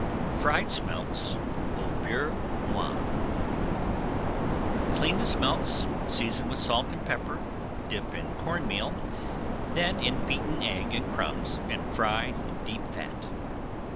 FRIED SMELTS AU BEURRE NOIR Clean the smelts, season with salt and pepper, dip in corn meal, then in beaten egg and crumbs, and fry in deep fat.